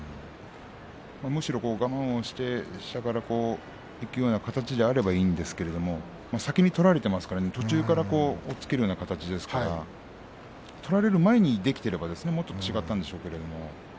むしろ我慢をしたからいくような形であればいいんですが先に取られていますから途中から押っつけるような形ですから取られる前にできていればもっと違ったんでしょうけれども。